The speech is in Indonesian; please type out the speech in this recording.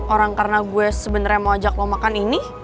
orang karena gue sebenarnya mau ajak lo makan ini